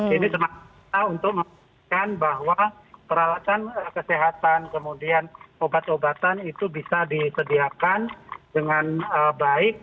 ini semata untuk memastikan bahwa peralatan kesehatan kemudian obat obatan itu bisa disediakan dengan baik